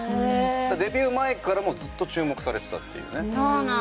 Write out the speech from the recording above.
デビュー前からもずっと注目されてたっていうね。